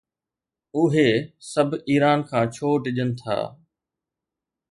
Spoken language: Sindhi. اهي سڀ ايران کان ڇو ڊڄن ٿا؟